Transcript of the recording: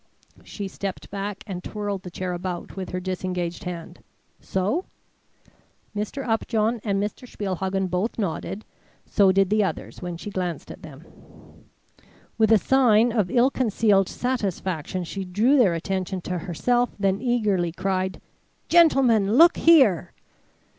She stepped back and twirled the chair about with her disengaged hand. "So?" Mr. Upjohn and Mr. Spielhagen both nodded, so did the others when she glanced at them. With a sign of ill concealed satisfaction, she drew their attention to herself; then eagerly cried: "Gentlemen, look here!"